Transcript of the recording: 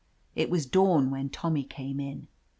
It was dawn whep Tommy came in.